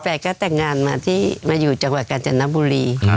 แฟนก็แต่งงานมาที่มาอยู่จังหวัดกาญจนบุรี